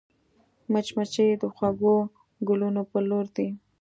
مچمچۍ د خوږو ګلونو پر لور ځي